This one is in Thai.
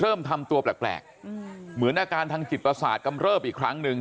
เริ่มทำตัวแปลกเหมือนอาการทางจิตประสาทกำเริบอีกครั้งหนึ่ง